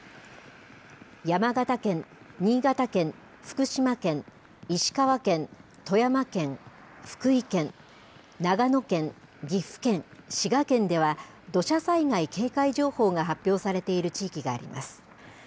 山形県、新潟県、福島県、石川県、富山県、福井県、長野県、岐阜県、滋賀県では、土砂災害警戒情報が発表されている地域があります。